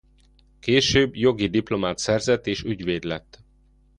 Később jogi diplomát szerzett és ügyvéd lett.